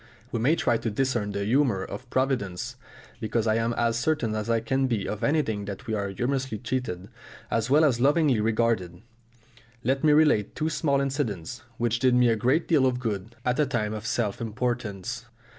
We may try to discern the humour of Providence, because I am as certain as I can be of anything that we are humorously treated as well as lovingly regarded. Let me relate two small incidents which did me a great deal of good at a time of self importance.